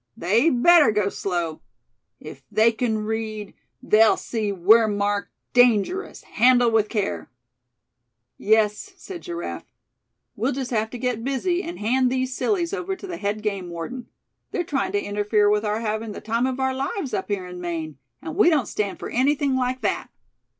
They'd better go slow. If they can read, they'll see we're marked 'dangerous, handle with care!'" "Yes," said Giraffe, "we'll just have to get busy, and hand these sillies over to the head game warden. They're trying to interfere with our having the time of our lives up here in Maine; and we don't stand for anything like that."